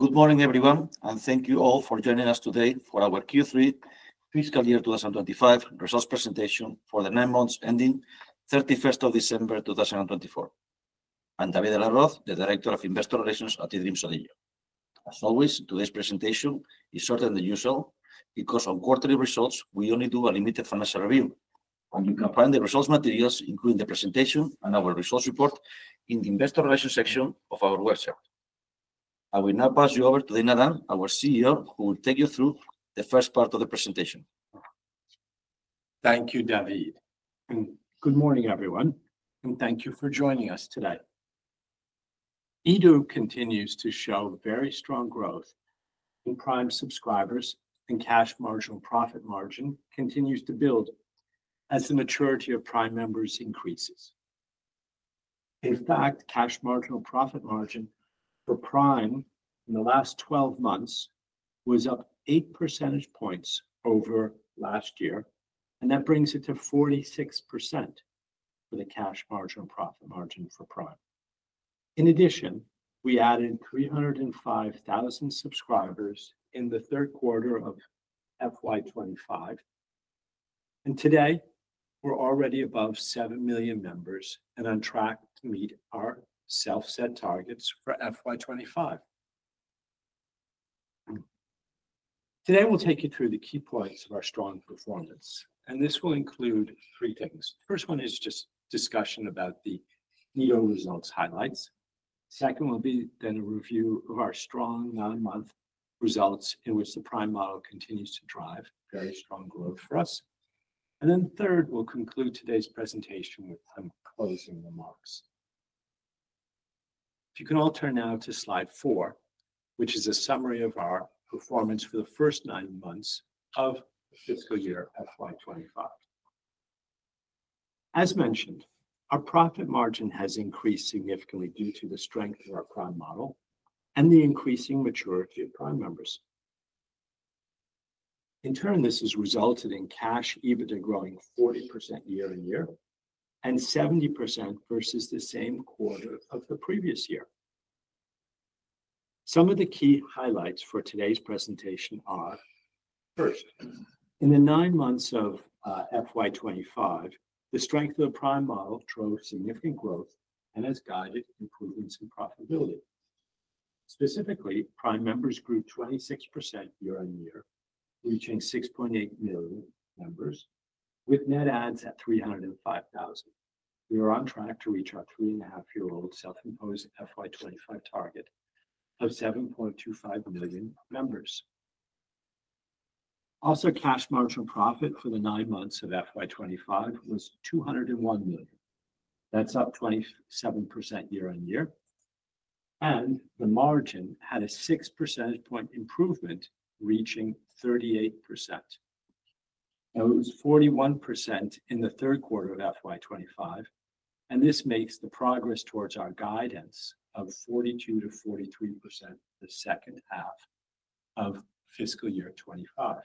Good morning, everyone, and thank you all for joining us today for our Q3 Fiscal Year 2025 Results Presentation for the nine months ending 31st of December 2024. I'm David de la Roz, the Director of Investor Relations at eDreams ODIGEO. As always, today's presentation is shorter than usual because on quarterly results we only do a limited financial review. You can find the results materials, including the presentation and our results report, in the Investor Relations section of our website. I will now pass you over to Dana Dunne, our CEO, who will take you through the first part of the presentation. Thank you, David and good morning, everyone, and thank you for joining us today. eDO continues to show very strong growth in Prime subscribers, and cash margin and profit margin continues to build as the maturity of Prime members increases. In fact, cash margin and profit margin for Prime in the last 12 months was up 8 percentage points over last year, and that brings it to 46% for the cash margin and profit margin for Prime. In addition, we added 305,000 subscribers in the third quarter of FY25, and today we're already above 7 million members and on track to meet our self-set targets for FY25. Today, we'll take you through the key points of our strong performance, and this will include three things. The first one is just discussion about the eDO results highlights. The second will be then a review of our strong nine-month results, in which the Prime model continues to drive very strong growth for us, and then third, we'll conclude today's presentation with some closing remarks. If you can all turn now to slide four, which is a summary of our performance for the first nine months of the fiscal year FY25. As mentioned, our profit margin has increased significantly due to the strength of our Prime model and the increasing maturity of Prime members. In turn, this has resulted in Cash EBITDA growing 40% year-on-year and 70% versus the same quarter of the previous year. Some of the key highlights for today's presentation are, first, in the nine months of FY25, the strength of the Prime model drove significant growth and has guided improvements in profitability. Specifically, Prime members grew 26% year-on-year, reaching 6.8 million members with net adds at 305,000. We are on track to reach our three-and-a-half-year-old self-imposed FY25 target of 7.25 million members. Also, cash margin profit for the nine months of FY25 was 201 million. That's up 27% year-on-year, and the margin had a 6 percentage point improvement, reaching 38%. That was 41% in the third quarter of FY25, and this makes the progress towards our guidance of 42%-43% the second half of fiscal year 2025.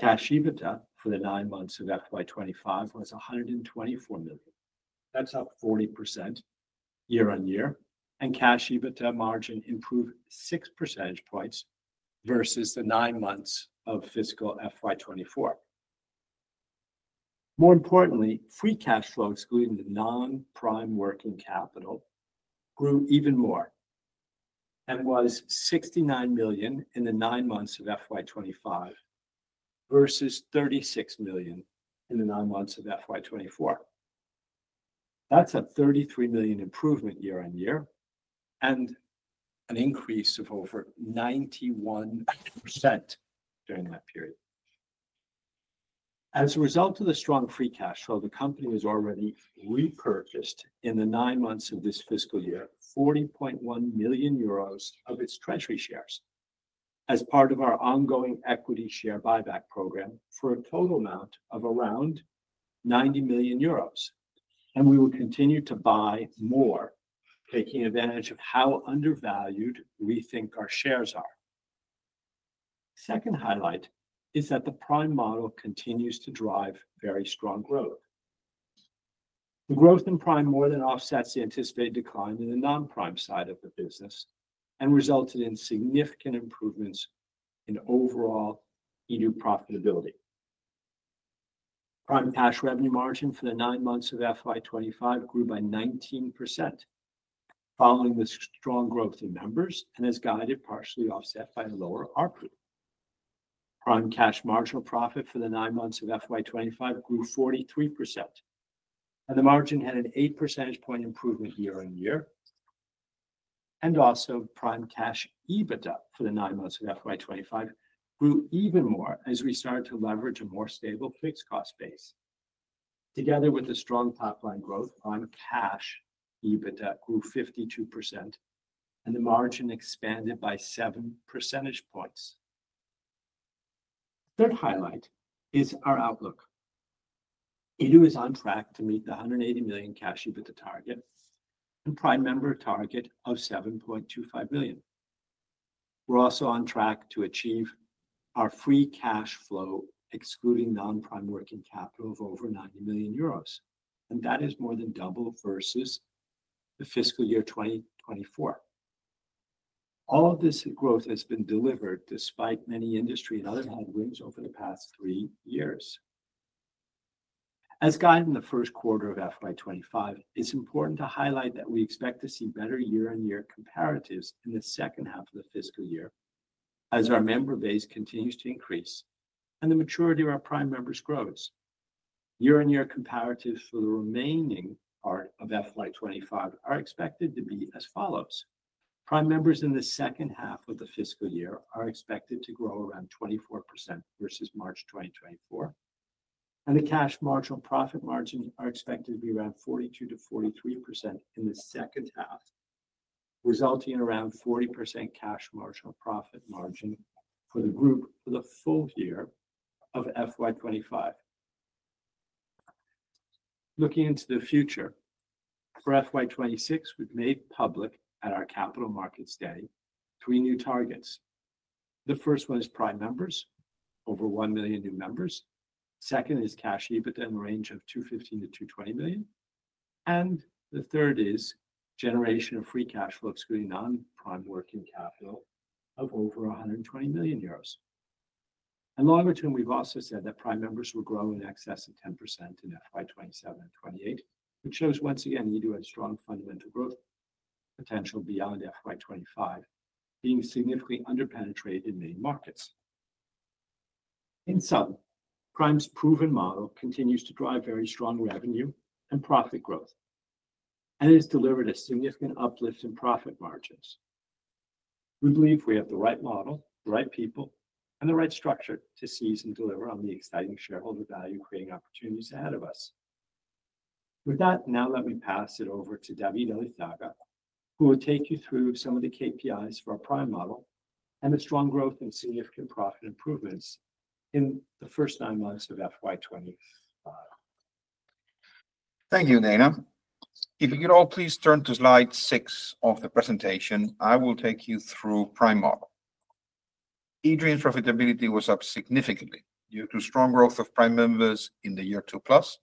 Cash EBITDA for the nine months of FY25 was 124 million. That's up 40% year-on-year, and Cash EBITDA margin improved 6 percentage points versus the nine months of fiscal FY24. More importantly, free cash flow, excluding the non-Prime working capital, grew even more and was 69 million in the nine months of FY25 versus 36 million in the nine months of FY24. That's a 33 million improvement year-on-year and an increase of over 91% during that period. As a result of the strong free cash flow, the company has already repurchased in the nine months of this fiscal year 40.1 million euros of its treasury shares as part of our ongoing equity share buyback program for a total amount of around 90 million euros, and we will continue to buy more, taking advantage of how undervalued we think our shares are. The second highlight is that the Prime model continues to drive very strong growth. The growth in Prime more than offsets the anticipated decline in the non-Prime side of the business and resulted in significant improvements in overall eDO profitability. Prime cash revenue margin for the nine months of FY25 grew by 19% following the strong growth in members and has guided partially offset by a lower ARPU. Prime Cash Marginal Profit for the nine months of FY25 grew 43%, and the margin had an 8 percentage point improvement year-on-year. Also, Prime Cash EBITDA for the nine months of FY25 grew even more as we started to leverage a more stable fixed cost base. Together with the strong pipeline growth, Prime Cash EBITDA grew 52%, and the margin expanded by 7 percentage points. The third highlight is our outlook. eDO is on track to meet the 180 million Cash EBITDA target and Prime member target of 7.25 million. We're also on track to achieve our free cash flow, excluding non-Prime working capital, of over 90 million euros, and that is more than double versus the fiscal year 2024. All of this growth has been delivered despite many industry and other headwinds over the past three years. As guided in the first quarter of FY25, it's important to highlight that we expect to see better year-on-year comparatives in the second half of the fiscal year as our member base continues to increase and the maturity of our Prime members grows. Year-on-year comparatives for the remaining part of FY25 are expected to be as follows. Prime members in the second half of the fiscal year are expected to grow around 24% versus March 2024, and the Cash Marginal Profit Margins are expected to be around 42%-43% in the second half, resulting in around 40% Cash Marginal Profit Margin for the group for the full year of FY25. Looking into the future, for FY26, we've made public at our Capital Markets Day three new targets. The first one is Prime members. Over 1 million new members. The second is Cash EBITDA in the range of 215 million- 220 million, and the third is generation of free cash flow, excluding non-Prime working capital, of over 120 million euros, and longer term, we've also said that Prime members will grow in excess of 10% in FY 2027 and 2028, which shows, once again, eDO has strong fundamental growth potential beyond FY25, being significantly underpenetrated in main markets. In sum, Prime's proven model continues to drive very strong revenue and profit growth and has delivered a significant uplift in profit margins. We believe we have the right model, the right people, and the right structure to seize and deliver on the exciting shareholder value-creating opportunities ahead of us. With that, now let me pass it over to David Elizaga, who will take you through some of the KPIs for our Prime model and the strong growth and significant profit improvements in the first nine months of FY25. Thank you, Dana. If you could all please turn to slide six of the presentation, I will take you through Prime model. eDO's profitability was up significantly due to strong growth of Prime members in the year two plus,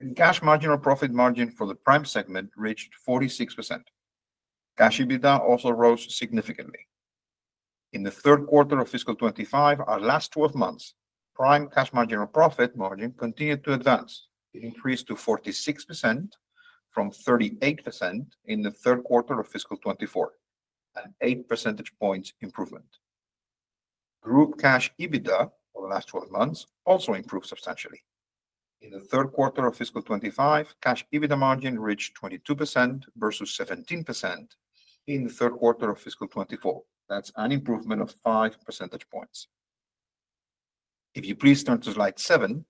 and Cash Marginal Profit Margin for the Prime segment reached 46%. Cash EBITDA also rose significantly. In the third quarter of fiscal 2025, our last 12 months, Prime Cash Marginal Profit Margin continued to advance. It increased to 46% from 38% in the third quarter of fiscal 2024, an 8 percentage points improvement. Group Cash EBITDA over the last 12 months also improved substantially. In the third quarter of fiscal 2025, Cash EBITDA margin reached 22% versus 17% in the third quarter of fiscal 2024. That's an improvement of 5 percentage points. If you please turn to slide seven,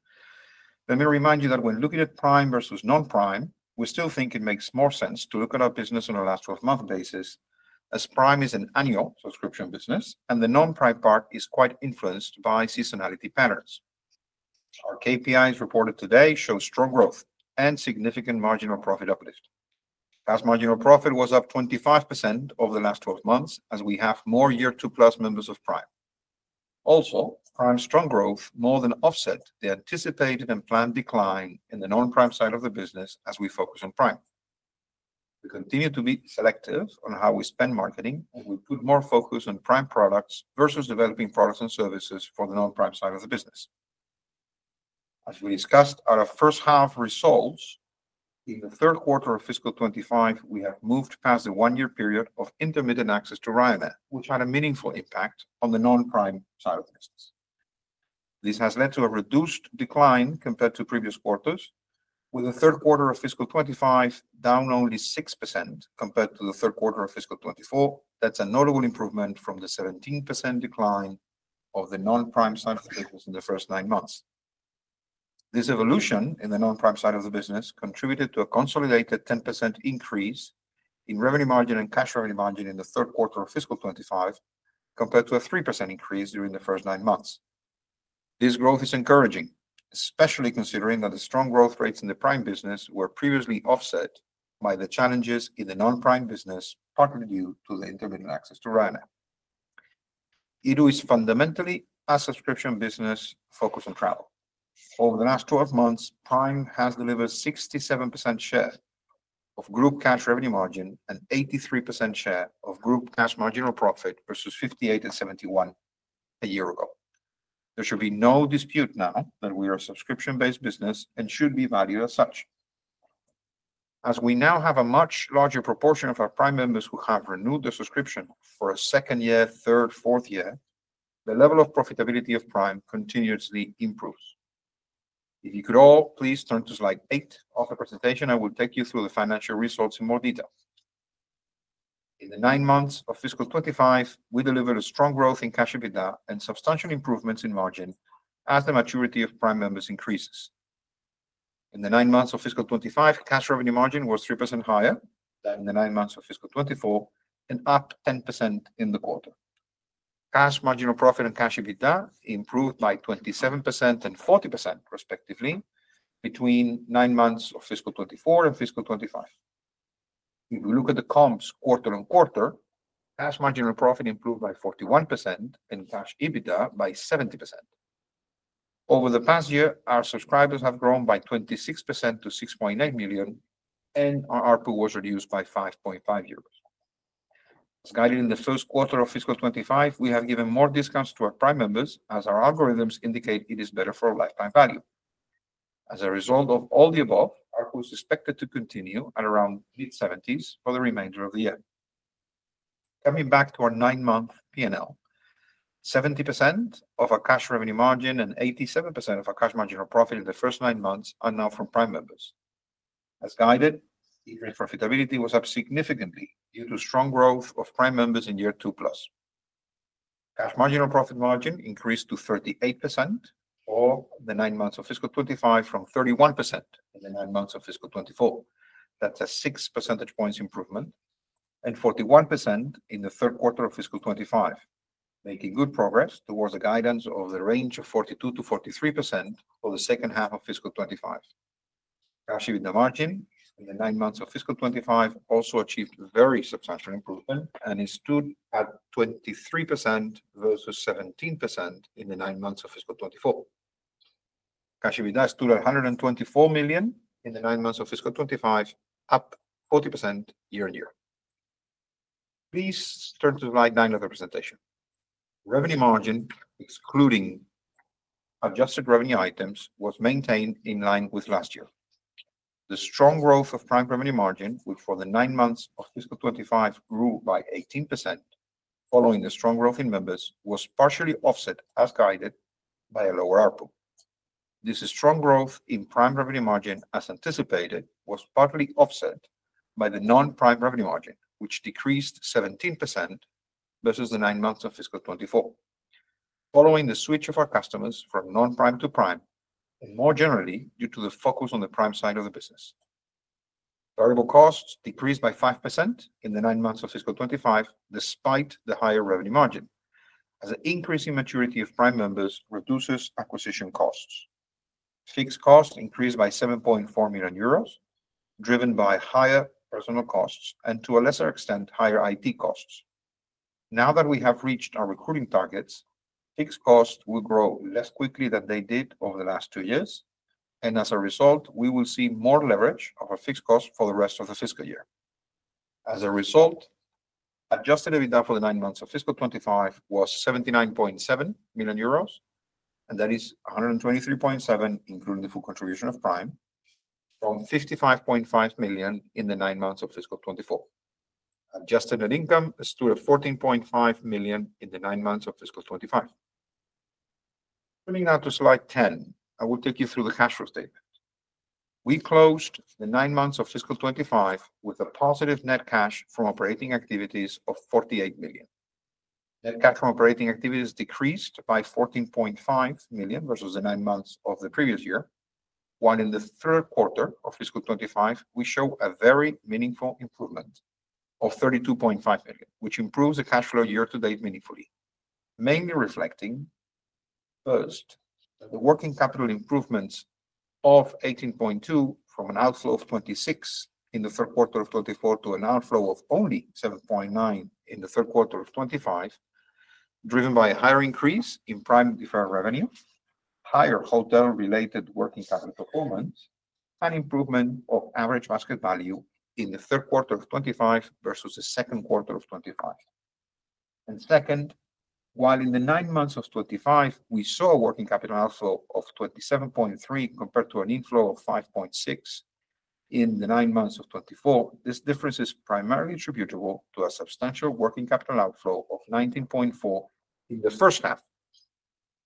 let me remind you that when looking at Prime versus Non-Prime, we still think it makes more sense to look at our business on a last 12-month basis as Prime is an annual subscription business and the Non-Prime part is quite influenced by seasonality patterns. Our KPIs reported today show strong growth and significant marginal profit uplift. Cash Marginal Profit was up 25% over the last 12 months as we have more year two plus members of Prime. Also, Prime's strong growth more than offsets the anticipated and planned decline in the Non-Prime side of the business as we focus on Prime. We continue to be selective on how we spend marketing, and we put more focus on Prime products versus developing products and services for the Non-Prime side of the business. As we discussed our first half results, in the third quarter of fiscal 2025, we have moved past the one-year period of intermittent access to Ryanair, which had a meaningful impact on the non-Prime side of the business. This has led to a reduced decline compared to previous quarters, with the third quarter of fiscal 2025 down only 6% compared to the third quarter of fiscal 2024. That's a notable improvement from the 17% decline of the non-Prime side of the business in the first nine months. This evolution in the non-Prime side of the business contributed to a consolidated 10% increase in revenue margin and cash revenue margin in the third quarter of fiscal 2025 compared to a 3% increase during the first nine months. This growth is encouraging, especially considering that the strong growth rates in the Prime business were previously offset by the challenges in the non-Prime business, partly due to the intermittent access to Ryanair. eDO is fundamentally a subscription business focused on travel. Over the last 12 months, Prime has delivered 67% share of group cash revenue margin and 83% share of Group Cash Marginal Profit versus 58% and 71% a year ago. There should be no dispute now that we are a subscription-based business and should be valued as such. As we now have a much larger proportion of our Prime members who have renewed their subscription for a second year, third, fourth year, the level of profitability of Prime continuously improves. If you could all please turn to slide eight of the presentation, I will take you through the financial results in more detail. In the nine months of fiscal 2025, we delivered a strong growth in Cash EBITDA and substantial improvements in margin as the maturity of Prime members increases. In the nine months of fiscal 2025, Cash Revenue Margin was 3% higher than in the nine months of fiscal 2024 and up 10% in the quarter. Cash Marginal Profit and Cash EBITDA improved by 27% and 40% respectively between nine months of fiscal 2024 and fiscal 2025. If we look at the comps quarter-on-quarter, Cash Marginal Profit improved by 41% and Cash EBITDA by 70%. Over the past year, our subscribers have grown by 26% to 6.8 million, and our ARPU was reduced by 5.5 euros. As guided in the first quarter of fiscal 2025, we have given more discounts to our Prime members as our algorithms indicate it is better for lifetime value. As a result of all the above, ARPU is expected to continue at around mid-70s for the remainder of the year. Coming back to our nine-month P&L, 70% of our cash revenue margin and 87% of our Cash Marginal Profit in the first nine months are now from Prime members. As guided, eDreams' profitability was up significantly due to strong growth of Prime members in year two plus. Cash Marginal Profit margin increased to 38% over the nine months of fiscal 2025 from 31% in the nine months of fiscal 2024. That's a 6 percentage points improvement and 41% in the third quarter of fiscal 2025, making good progress towards the guidance of the range of 42%-43% over the second half of fiscal 2025. Cash EBITDA margin in the nine months of fiscal 2025 also achieved very substantial improvement and is stood at 23% versus 17% in the nine months of fiscal 2024. Cash EBITDA stood at 124 million in the nine months of fiscal 2025, up 40% year-on-year. Please turn to slide nine of the presentation. Revenue margin, excluding adjusted revenue items, was maintained in line with last year. The strong growth of Prime revenue margin, which for the nine months of fiscal 2025 grew by 18% following the strong growth in members, was partially offset as guided by a lower ARPU. This strong growth in Prime revenue margin, as anticipated, was partly offset by the non-Prime revenue margin, which decreased 17% versus the nine months of fiscal 2024, following the switch of our customers from non-Prime to Prime and more generally due to the focus on the Prime side of the business. Variable costs decreased by 5% in the nine months of fiscal 2025 despite the higher revenue margin as the increasing maturity of Prime members reduces acquisition costs. Fixed costs increased by 7.4 million euros, driven by higher personnel costs and to a lesser extent, higher IT costs. Now that we have reached our recruiting targets, fixed costs will grow less quickly than they did over the last two years, and as a result, we will see more leverage of our fixed costs for the rest of the fiscal year. As a result, Adjusted EBITDA for the nine months of fiscal 2025 was 79.7 million euros, and that is 123.7 million including the full contribution of Prime, from 55.5 million in the nine months of fiscal 2024. Adjusted Net Income stood at 14.5 million in the nine months of fiscal 2025. Moving now to slide 10, I will take you through the cash flow statement. We closed the nine months of fiscal 2025 with a positive net cash from operating activities of 48 million. Net cash from operating activities decreased by 14.5 million versus the nine months of the previous year, while in the third quarter of fiscal 2025, we show a very meaningful improvement of 32.5 million, which improves the cash flow year to date meaningfully, mainly reflecting first the working capital improvements of 18.2 from an outflow of 26 in the third quarter of 2024 to an outflow of only 7.9 in the third quarter of 2025, driven by a higher increase in Prime deferred revenue, higher hotel-related working capital performance, and improvement of average basket value in the third quarter of 2025 versus the second quarter of 2025. Second, while in the nine months of 2025, we saw a working capital outflow of 27.3 compared to an inflow of 5.6 in the nine months of 2024, this difference is primarily attributable to a substantial working capital outflow of 19.4 in the first half,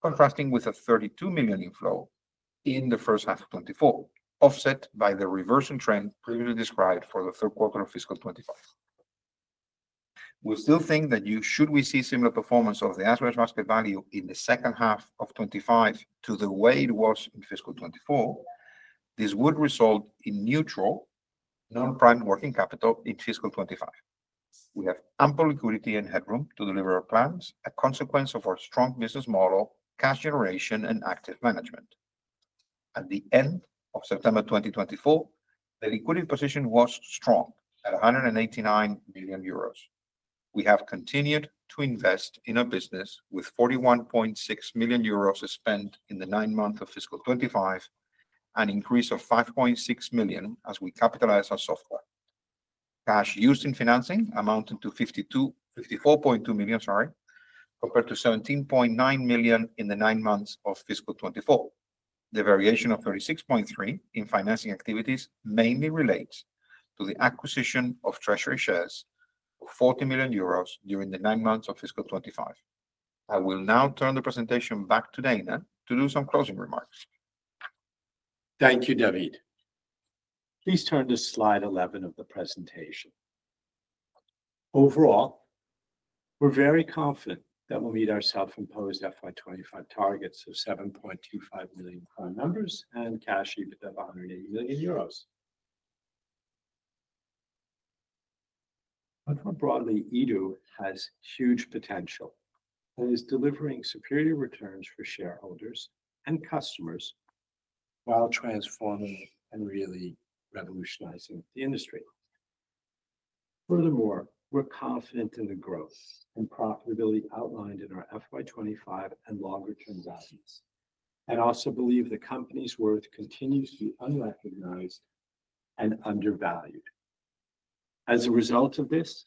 contrasting with a 32 million inflow in the first half of 2024, offset by the reversing trend previously described for the third quarter of fiscal 2025. We still think that should we see similar performance of the average basket value in the second half of 2025 to the way it was in fiscal 2024, this would result in neutral non-Prime working capital in fiscal 2025. We have ample liquidity and headroom to deliver our plans, a consequence of our strong business model, cash generation, and active management. At the end of September 2024, the liquidity position was strong at 189 million euros. We have continued to invest in our business with 41.6 million euros spent in the nine months of fiscal 2025, an increase of 5.6 million as we capitalize our software. Cash used in financing amounted to 54.2 million, sorry, compared to 17.9 million in the nine months of fiscal 2024. The variation of 36.3 in financing activities mainly relates to the acquisition of treasury shares of 40 million euros during the nine months of fiscal 2025. I will now turn the presentation back to Dana to do some closing remarks. Thank you, David. Please turn to slide 11 of the presentation. Overall, we're very confident that we'll meet our self-imposed FY 2025 targets of 7.25 million Prime members and Cash EBITDA of 180 million euros. Much more broadly, eDO has huge potential and is delivering superior returns for shareholders and customers while transforming and really revolutionizing the industry. Furthermore, we're confident in the growth and profitability outlined in our FY25 and longer-term values and also believe the company's worth continues to be unrecognized and undervalued. As a result of this,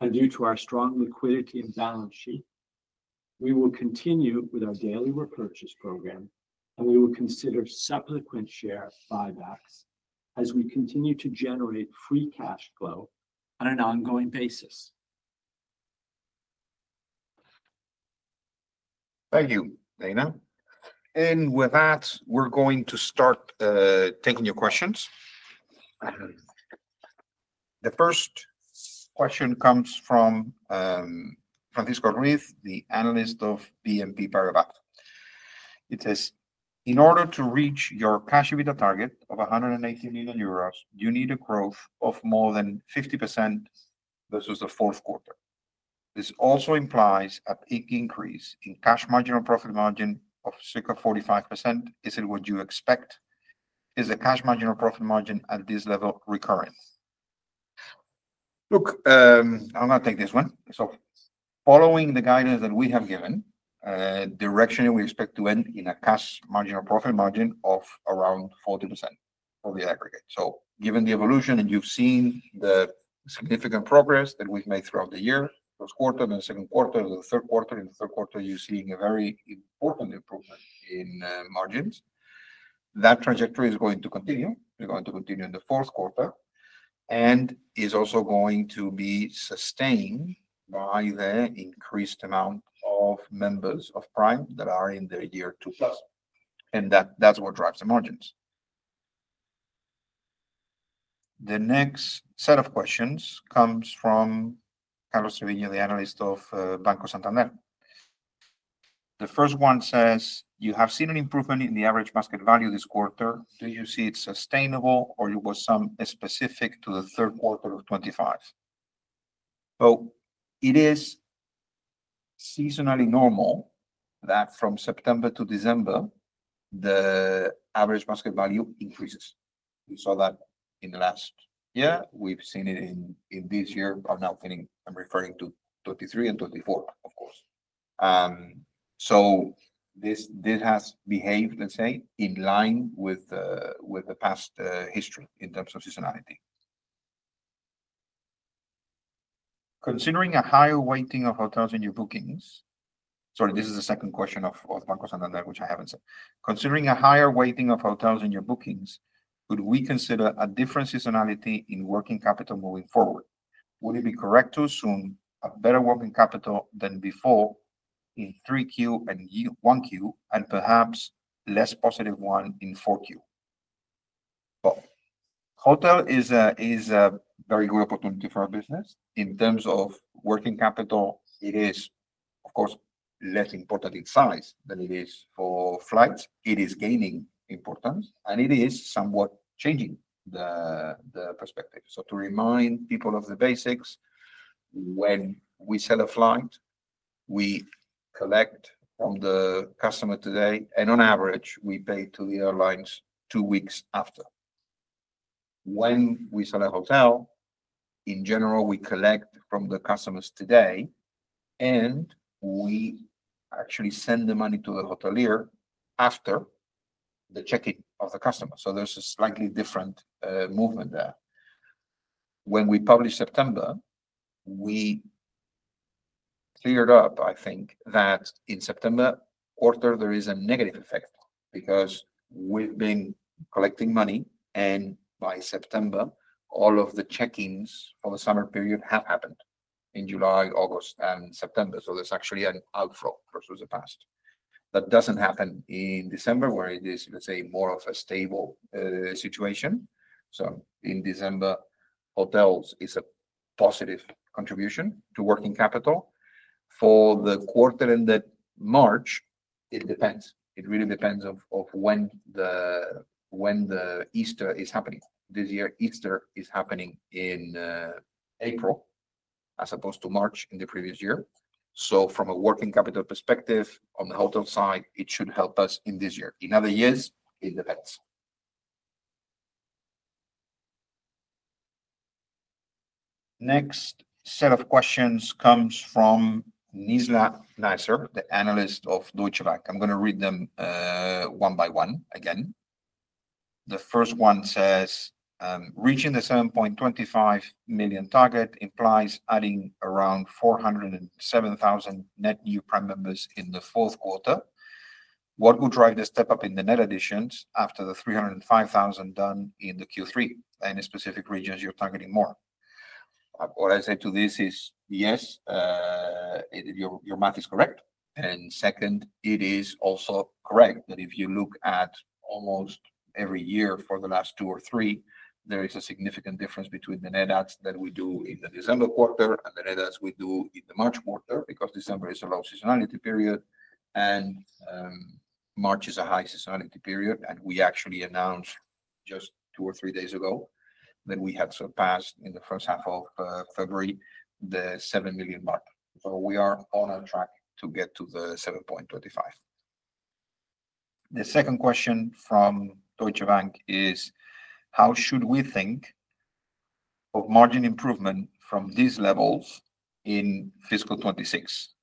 and due to our strong liquidity and balance sheet, we will continue with our daily repurchase program, and we will consider subsequent share buybacks as we continue to generate free cash flow on an ongoing basis. Thank you, Dana. And with that, we're going to start taking your questions. The first question comes from Francisco Ruiz, the analyst of BNP Paribas. It says, "In order to reach your Cash EBITDA target of 180 million euros, you need a growth of more than 50% versus the fourth quarter. This also implies a peak increase in Cash Marginal Profit Margin of circa 45%. Is it what you expect? Is the Cash Marginal Profit Margin at this level recurrent? Look, I'm going to take this one. So following the guidance that we have given, directionally we expect to end in a Cash Marginal Profit Margin of around 40% over the aggregate. So given the evolution and you've seen the significant progress that we've made throughout the year, first quarter and the second quarter, the third quarter, you're seeing a very important improvement in margins. That trajectory is going to continue. We're going to continue in the fourth quarter, and it's also going to be sustained by the increased amount of members of Prime that are in their year two plus. And that's what drives the margins. The next set of questions comes from Carlos Sevilla, the analyst of Banco Santander. The first one says, "You have seen an improvement in the average basket value this quarter. Do you see it sustainable, or was it specific to the third quarter of 2025?" Well, it is seasonally normal that from September to December, the average basket value increases. We saw that in the last year. We've seen it in this year, but now I'm referring to 2023 and 2024, of course. This has behaved, let's say, in line with the past history in terms of seasonality. Considering a higher weighting of hotels in your bookings, sorry, this is the second question of Banco Santander, which I haven't said, considering a higher weighting of hotels in your bookings, could we consider a different seasonality in working capital moving forward? Would it be correct to assume a better working capital than before in 3Q and 1Q, and perhaps a less positive one in 4Q? Hotel is a very good opportunity for our business. In terms of working capital, it is, of course, less important in size than it is for flights. It is gaining importance, and it is somewhat changing the perspective. To remind people of the basics, when we sell a flight, we collect from the customer today, and on average, we pay to the airlines two weeks after. When we sell a hotel, in general, we collect from the customers today, and we actually send the money to the hotelier after the check-in of the customer. There's a slightly different movement there. When we published September, we cleared up, I think, that in September quarter, there is a negative effect because we've been collecting money, and by September, all of the check-ins for the summer period have happened in July, August, and September. There's actually an outflow versus the past. That doesn't happen in December, where it is, let's say, more of a stable situation. In December, hotels is a positive contribution to working capital. For the quarter ended March, it depends. It really depends on when Easter is happening. This year, Easter is happening in April as opposed to March in the previous year. From a working capital perspective on the hotel side, it should help us in this year. In other years, it depends. Next set of questions comes from Nizla Naizer, the analyst of Deutsche Bank. I'm going to read them one by one again. The first one says, "Reaching the 7.25 million target implies adding around 407,000 net new Prime members in the fourth quarter. What would drive the step up in the net additions after the 305,000 done in the Q3? And in specific regions, you're targeting more. What I say to this is, yes, your math is correct, and second, it is also correct that if you look at almost every year for the last two or three, there is a significant difference between the Net Adds that we do in the December quarter and the Net Adds we do in the March quarter because December is a low seasonality period, and March is a high seasonality period, and we actually announced just two or three days ago that we had surpassed in the first half of February the 7 million mark, so we are on our track to get to the 7.25. The second question from Deutsche Bank is, "How should we think of margin improvement from these levels in fiscal 2026?"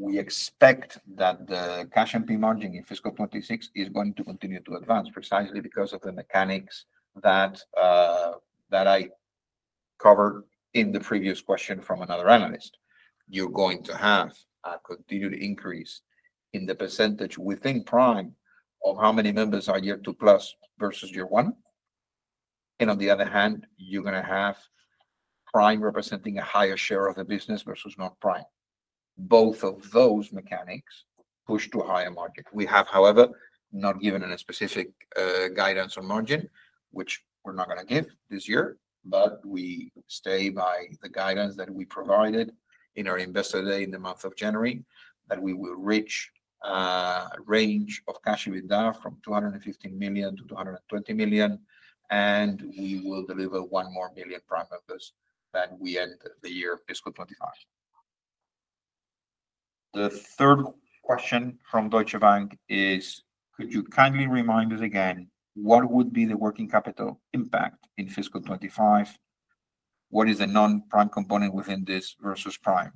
We expect that the Cash and P margin in fiscal 2026 is going to continue to advance precisely because of the mechanics that I covered in the previous question from another analyst. You're going to have a continued increase in the percentage within Prime of how many members are year two plus versus year one. And on the other hand, you're going to have Prime representing a higher share of the business versus Non-Prime. Both of those mechanics push to a higher margin. We have, however, not given any specific guidance on margin, which we're not going to give this year, but we stay by the guidance that we provided in our investor day in the month of January, that we will reach a range of Cash EBITDA from 215 million-220 million, and we will deliver one more million Prime members when we end the year fiscal 2025. The third question from Deutsche Bank is, "Could you kindly remind us again what would be the working capital impact in fiscal 2025? What is the non-Prime component within this versus Prime?"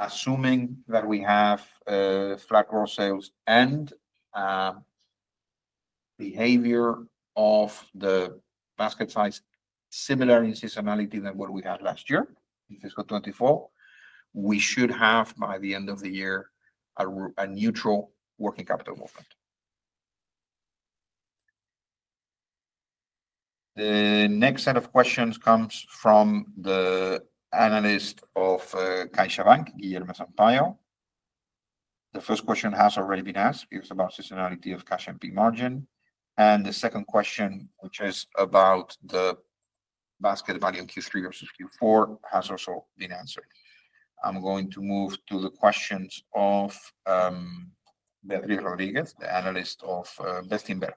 Assuming that we have flat growth sales and behavior of the basket size similar in seasonality than what we had last year in fiscal 2024, we should have by the end of the year a neutral working capital movement. The next set of questions comes from the analyst of CaixaBank, Guilherme Sampaio. The first question has already been asked. It's about seasonality of cash and P margin. And the second question, which is about the basket value in Q3 versus Q4, has also been answered. I'm going to move to the questions of Beatriz Rodríguez, the analyst of Bestinver.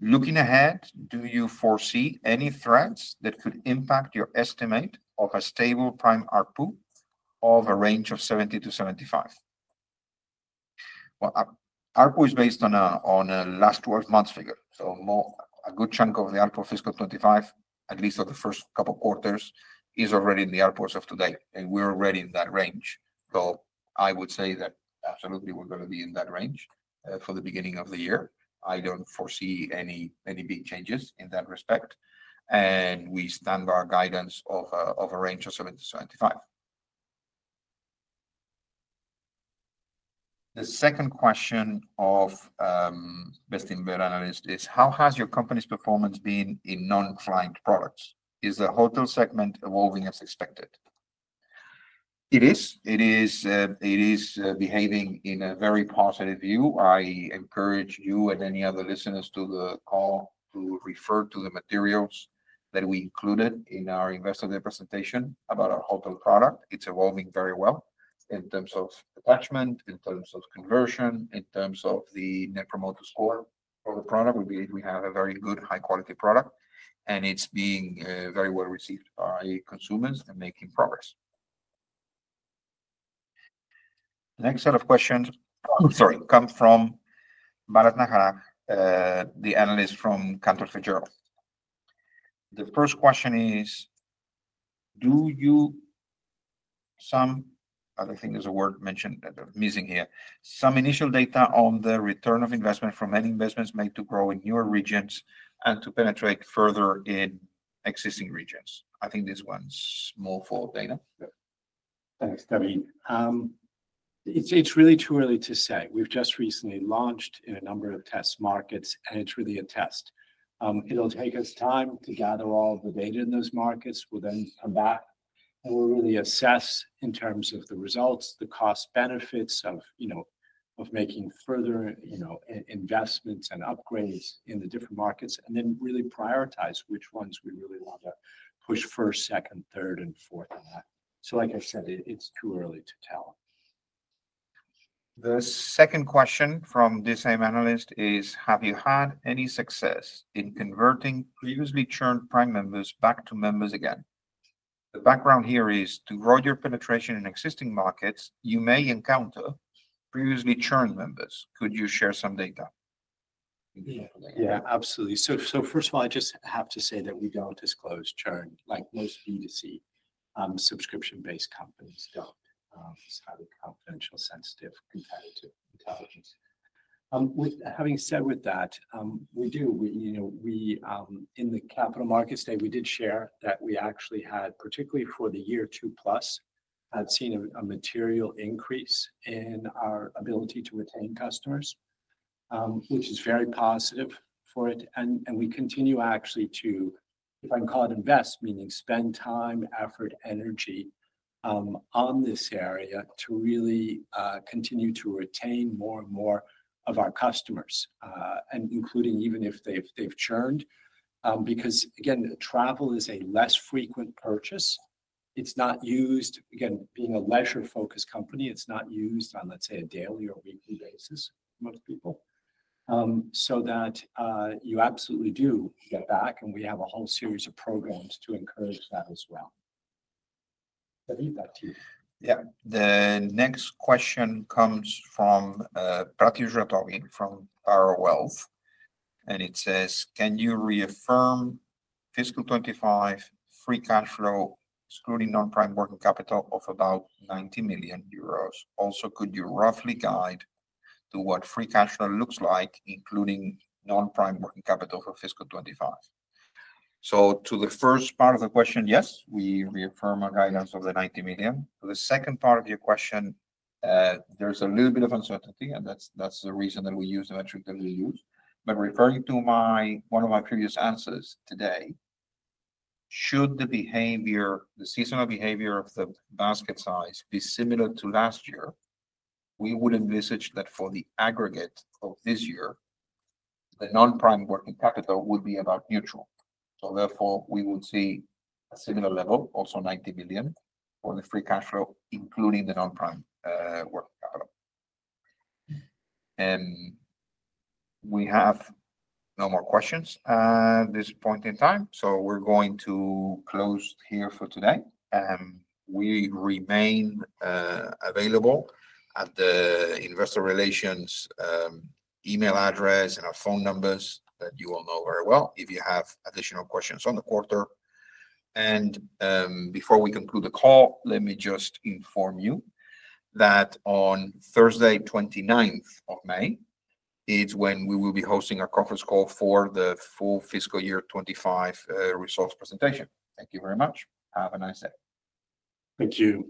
Looking ahead, do you foresee any threats that could impact your estimate of a stable Prime ARPU of a range of 70-75?" Well, ARPU is based on a last 12-month figure. So a good chunk of the ARPU of fiscal 2025, at least of the first couple of quarters, is already in the ARPUs of today. And we're already in that range. So I would say that absolutely we're going to be in that range for the beginning of the year. I don't foresee any big changes in that respect. And we stand by our guidance of a range of 70-75. The second question of Bestinver analyst is, "How has your company's performance been in non-Prime products? Is the hotel segment evolving as expected? It is. It is behaving in a very positive view. I encourage you and any other listeners to the call to refer to the materials that we included in our investor day presentation about our hotel product. It's evolving very well in terms of attachment, in terms of conversion, in terms of the net promoter score for the product. We believe we have a very good, high-quality product, and it's being very well received by consumers and making progress. Next set of questions, sorry, come from Bharath Nagaraj, the analyst from Cantor Fitzgerald. The first question is, "Do you have some initial data on the return on investment from any investments made to grow in newer regions and to penetrate further in existing regions?" I think this one's more for Dana. Thanks, David. It's really too early to say. We've just recently launched in a number of test markets, and it's really a test. It'll take us time to gather all of the data in those markets. We'll then come back, and we'll really assess in terms of the results, the cost-benefits of making further investments and upgrades in the different markets, and then really prioritize which ones we really want to push first, second, third, and fourth on that. Like I said, it's too early to tell. The second question from this same analyst is, "Have you had any success in converting previously churned Prime members back to members again?" The background here is, "To grow your penetration in existing markets, you may encounter previously churned members. Could you share some data? Yeah, absolutely. So first of all, I just have to say that we don't disclose churn like most B2C subscription-based companies don't. It's highly confidential, sensitive, competitive intelligence. Having said that, we do. In the Capital Markets Day, we did share that we actually had, particularly for the year two plus, had seen a material increase in our ability to retain customers, which is very positive for it. And we continue actually to, if I can call it invest, meaning spend time, effort, energy on this area to really continue to retain more and more of our customers, including even if they've churned. Because again, travel is a less frequent purchase. It's not used, again, being a leisure-focused company, it's not used on, let's say, a daily or weekly basis for most people. So that you absolutely do get back, and we have a whole series of programs to encourage that as well. I leave that to you. Yeah. The next question comes from [Pratyusha Tawin from Dara Wealth], and it says, "Can you reaffirm fiscal 2025 Free Cash Flow excluding Non-Prime working capital of about 90 million euros? Also, could you roughly guide to what Free Cash Flow looks like, including Non-Prime working capital for fiscal 2025?" To the first part of the question, yes, we reaffirm our guidance of the 90 million. To the second part of your question, there's a little bit of uncertainty, and that's the reason that we use the metric that we use. But referring to one of my previous answers today, should the seasonal behavior of the basket size be similar to last year, we would envisage that for the aggregate of this year, the Non-Prime working capital would be about neutral. So therefore, we would see a similar level, also 90 million for the Free Cash Flow, including the Non-Prime Working Capital. And we have no more questions at this point in time. We're going to close here for today. We remain available at the investor relations email address and our phone numbers that you all know very well if you have additional questions on the quarter. And before we conclude the call, let me just inform you that on Thursday, 29th of May, is when we will be hosting a conference call for the full fiscal year 2025 results presentation. Thank you very much. Have a nice day. Thank you.